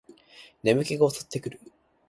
眠気が襲ってくる